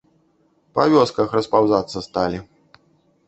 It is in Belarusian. Па вёсках распаўзацца сталі.